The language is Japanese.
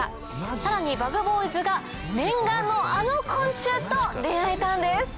さらにＢｕｇＢｏｙｓが念願のあの昆虫と出合えたんです。